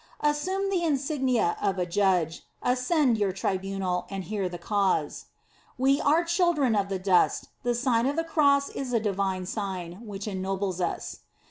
Assume the insignia of. a judge, ascend your tribunal, and hear the cause. We are children of the dust ; the Sign of the Cross is a divine sign, which ennobles us.